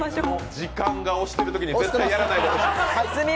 時間が押してるときに、絶対やらないでほしい。